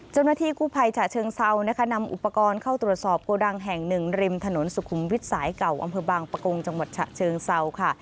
เจ้าหน้าที่กู้ภัยฉะเชิงเซานะคะนำอุปกรณ์เข้าตรวจสอบโกดังแห่งหนึ่งริมถนนสุขุมวิทย์สายเก่าอำเภอบางประกงจังหวัดฉะเชิงเซาค่ะ